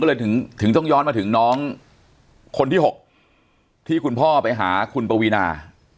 ก็เลยถึงต้องย้อนมาถึงน้องคนที่๖ที่คุณพ่อไปหาคุณปวีนา